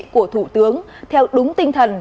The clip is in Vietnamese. của thủ tướng theo đúng tinh thần